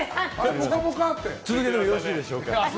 続けてもよろしいでしょうか。